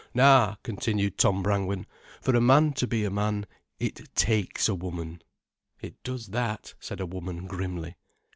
"Now," continued Tom Brangwen, "for a man to be a man, it takes a woman——" "It does that," said a woman grimly.